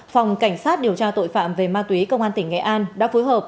phòng cảnh sát điều tra tội phạm về ma túy công an tỉnh nghệ an đã phối hợp